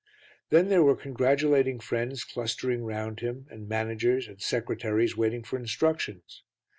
Then there were congratulating friends clustering round him and managers and secretaries waiting for instructions.